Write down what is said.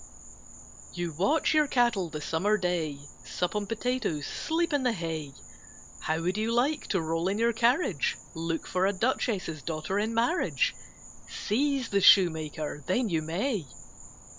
II. You watch your cattle the summer day, Sup on potatoes, sleep in the hay: How would you like to roll in your carriage, Look for a Duchess's daughter in marriage? Seize the Shoemaker then you may!